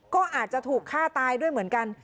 ก็อาจจะถูกฆ่าตายด้วยเหมือนกัน